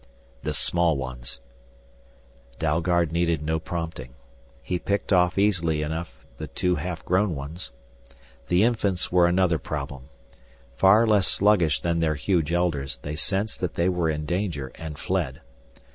"The small ones " Dalgard needed no prompting. He picked off easily enough the two half grown ones. The infants were another problem. Far less sluggish than their huge elders they sensed that they were in danger and fled.